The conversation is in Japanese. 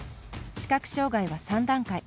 視覚障がいは３段階。